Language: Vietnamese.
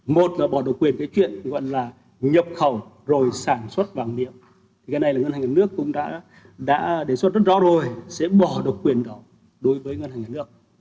một là bỏ độc quyền cái chuyện gọi là nhập khẩu rồi sản xuất vàng miếng cái này là ngân hàng nhà nước cũng đã đề xuất rất rõ rồi sẽ bỏ độc quyền đó đối với ngân hàng nhà nước